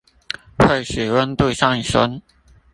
會使溫度上昇